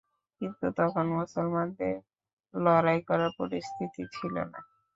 কিন্তু তখন মুসলমানদের লড়াই করার পরিস্থিতি ছিল না।